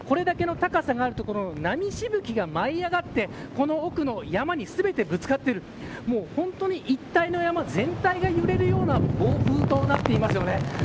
これだけの高さがある所の波しぶきが舞い上がってこの奥の山に全てぶつかっている本当に一帯の山全体が揺れるような暴風となっています。